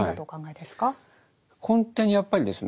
根底にやっぱりですね